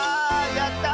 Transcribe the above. やった！